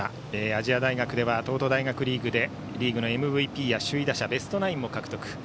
亜細亜大学では東都大学リーグでリーグのＭＶＰやベストナインも獲得。